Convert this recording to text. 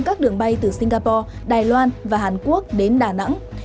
các đường bay từ singapore đài loan và hàn quốc đến đà nẵng